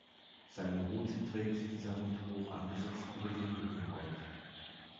Seine Rute trägt dieser Hund hoch angesetzt über den Rücken gerollt.